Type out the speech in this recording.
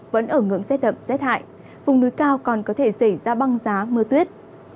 vẫn ở ngưỡng xét đậm xét hại vùng núi cao còn có thể xảy ra băng giá mưa tuyết